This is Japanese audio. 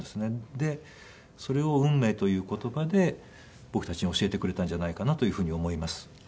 でそれを「運命」という言葉で僕たちに教えてくれたんじゃないかなというふうに思います。